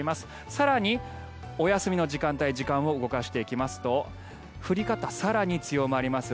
更に、お休みの時間帯時間を動かしていきますと降り方、更に強まります。